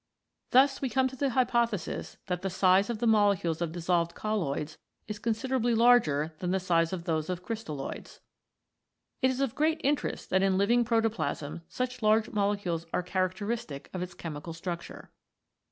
Thus we come to the hypothesis that the size of the molecules of dissolved colloids is considerably larger than the size of those of crystalloids. It is of great interest that in living protoplasm such large molecules are characteristic of its chemical structure.